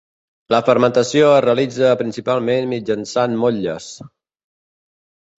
La fermentació es realitza principalment mitjançant motlles.